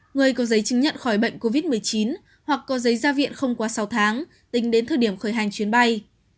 người có giấy chứng nhận khỏi bệnh covid một mươi chín hoặc có giấy gia viện không quá sáu tháng tính đến thời điểm khởi hành chuyến bay